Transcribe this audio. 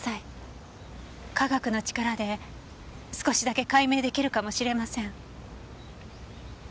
科学の力で少しだけ解明出来るかもしれません。